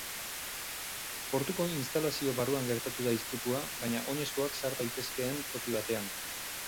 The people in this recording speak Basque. Portuko instalazio barruan gertatu da istripua, baina oinezkoak sar daitezkeen toki batean.